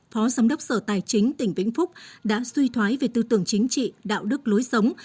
phó giám đốc sở tài chính tỉnh vĩnh phúc đã suy thoái về tư tưởng chính trị đạo đức lối sống